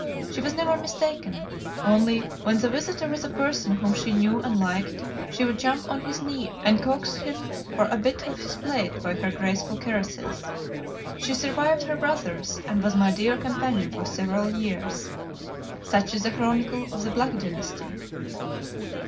She was never mistaken: only, when the visitor was a person whom she knew and liked, she would jump on his knee and coax him for a bit off his plate by her graceful caresses. She survived her brothers, and was my dear companion for several years.... Such is the chronicle of the Black Dynasty."